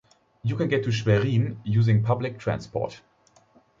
You can get to Schwerin using public transport.